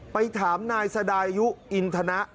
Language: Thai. ไปถามนายสดายุอินทนะ